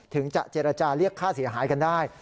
ถึงจะเจรจาเรียกค่าเสียหายกันได้